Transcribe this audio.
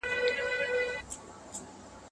څه وخت باید خاوره نرمه شي.